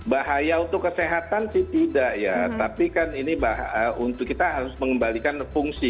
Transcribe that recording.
bahaya untuk kesehatan sih tidak ya tapi kan ini untuk kita harus mengembalikan fungsi